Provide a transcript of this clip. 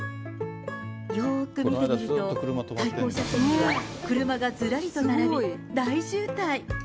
よーく見てみると、対向車線には車がずらりと並び、大渋滞。